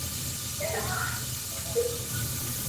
তার সহকারী আমাকে গতকাল কল দিয়েছিলো।